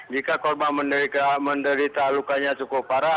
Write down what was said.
jika korban menderita lukanya cukup parah